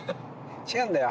違うんだよ。